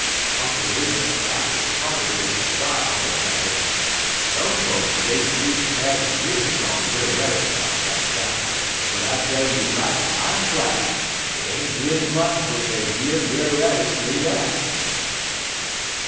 _'" Uncle Remus laughed as heartily as the child, and added: "Some folks say de creeturs had de grins on Brer Rabbit 'bout dat time; but I tell you right pine blank dey ain't grin much w'en dey year Brer Rabbit say dat."